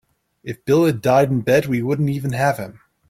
If Bill had died in bed we wouldn't even have him.